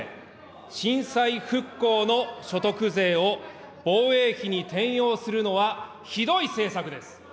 震災復興の所得税を防衛費に転用するのは、ひどい政策です。